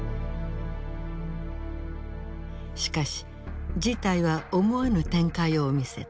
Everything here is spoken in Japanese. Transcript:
しかし事態は思わぬ展開を見せた。